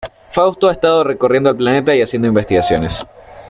Fausto ha estado recorriendo el planeta y haciendo investigaciones.